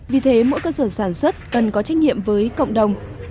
vì thế mỗi cơ sở sản xuất cần có trách nhiệm với cộng đồng